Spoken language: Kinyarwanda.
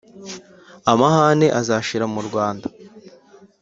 amahane azashira mu rwanda,